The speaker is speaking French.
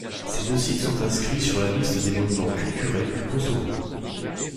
Ces deux sites sont inscrits sur la liste des monuments culturels du Kosovo.